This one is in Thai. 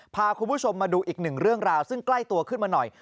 พาคุณผู้ชมมาดูอีกหนึ่งเรื่องราวซึ่งใกล้ตัวขึ้นมาหน่อย